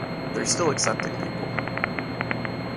They are still accepting people.